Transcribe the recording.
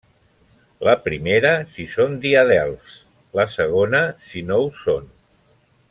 La primera si són diadelfs, la segona si no ho són.